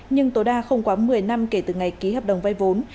nhưng tối đa không quá một mươi năm kể từ ngày ký hợp đồng vay vốn